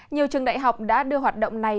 nhiều trường đại học đã đưa hoạt động này